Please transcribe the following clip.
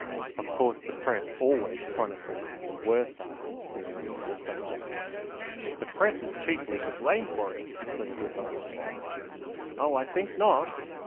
Of course the Press always chronicles the worst items bearing on the subject " "The Press is chiefly to blame for it" declared Rivardi. "Oh, I think not!"